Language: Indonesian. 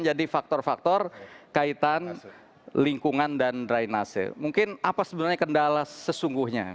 jadi faktor faktor kaitan lingkungan dan drainase mungkin apa sebenarnya kendala sesungguhnya